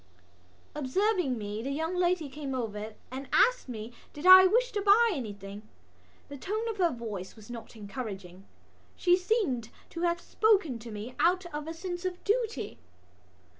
Observing me the young lady came over and asked me did I wish to buy anything. The tone of her voice was not encouraging; she seemed to have spoken to me out of a sense of duty.